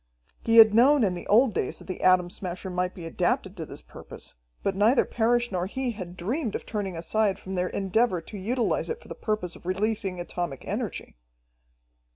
He had known in the old days that the Atom Smasher might be adapted to this purpose, but neither Parrish nor he had dreamed of turning aside from their endeavor to utilize it for the purpose of releasing atomic energy.